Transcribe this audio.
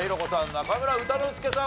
中村歌之助さん